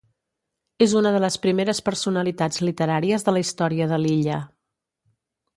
És una de les primeres personalitats literàries de la història de l'illa.